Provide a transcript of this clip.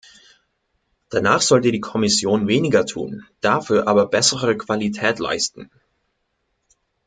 Danach sollte die Kommission weniger tun, dafür aber bessere Qualität leisten.